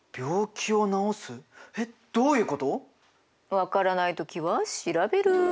分からない時は調べる。